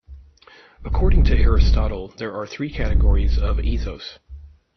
According to Aristotle, there are three categories of ethos.